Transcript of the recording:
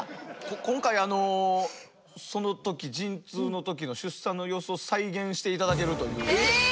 今回あのその時陣痛の時の出産の様子を再現していただけるという。